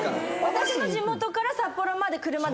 私の地元から札幌まで車で。